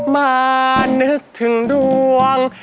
มานึกถึงดวง